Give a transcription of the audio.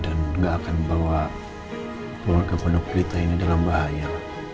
aku tidak akan bawa keluarga penuklita ini dalam bahaya